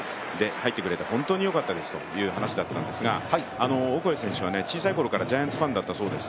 入ってくれて本当によかったという話なんですが、オコエ選手は小さいころからジャイアンツファンだったそうです。